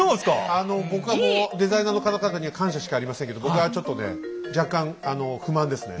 あの僕はもうデザイナーの方々には感謝しかありませんけど僕はちょっとね若干あの不満ですね。